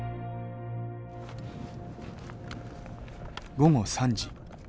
午後３時。